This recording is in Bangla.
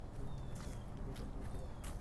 আসলে ছেলেরা মন্দিরে আসে না।